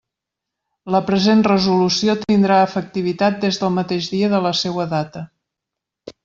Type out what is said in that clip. La present resolució tindrà efectivitat des del mateix dia de la seua data.